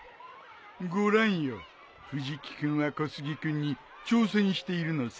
ご覧よ藤木君は小杉君に挑戦しているのさ。